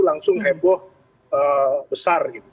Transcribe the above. langsung heboh besar gitu